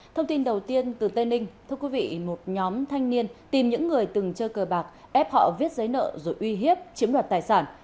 thông tin đầu tiên từ tây ninh thưa quý vị một nhóm thanh niên tìm những người từng chơi cờ bạc ép họ viết giấy nợ rồi uy hiếp chiếm đoạt tài sản